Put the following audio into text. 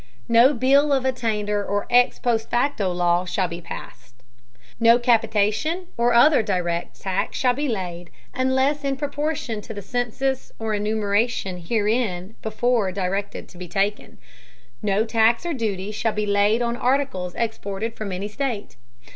No Bill of Attainder or ex post facto Law shall be passed. No Capitation, or other direct, Tax shall be laid, unless in Proportion to the Census or Enumeration herein before directed to be taken. No Tax or Duty shall be laid on Articles exported from any State.